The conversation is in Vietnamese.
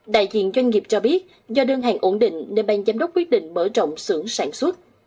đại diện doanh nghiệp cho biết do đơn hàng ổn định nên ban giám đốc quyết định mở rộng xưởng sản xuất